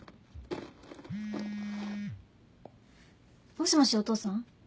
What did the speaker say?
もしもしお父さん？